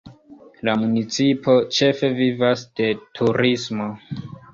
La municipo ĉefe vivas de turismo.